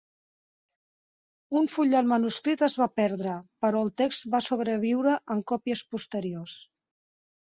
Un full del manuscrit es va perdre, però el text va sobreviure en còpies posteriors.